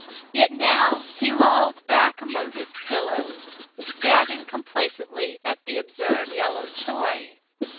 Yet now he lolled back among his pillows, dabbling complacently at the absurd yellow toy.